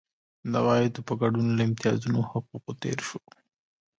د عوایدو په ګډون له امتیازونو او حقونو تېر شو.